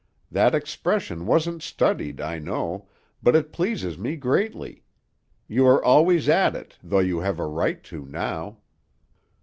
"That expression wasn't studied, I know, but it pleases me greatly. You are always at it, though you have a right to now."